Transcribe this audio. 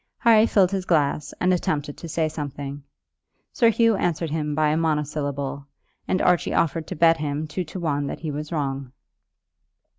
Harry filled his glass, and attempted to say something. Sir Hugh answered him by a monosyllable, and Archie offered to bet him two to one that he was wrong.